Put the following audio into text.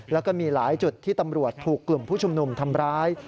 แล้วก็มีหลายจุดที่ตำรวจถูกกลุ่มผู้ชุมนุมทำร้าย